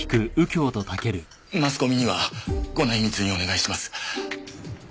マスコミにはご内密にお願いします。